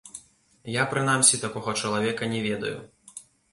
Я, прынамсі, такога чалавека не ведаю.